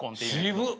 渋っ！